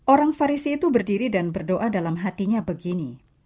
orang farisi itu berdiri dan berdoa dalam hatinya begini